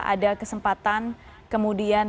ada kesempatan kemudian